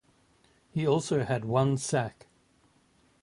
He also had one sack.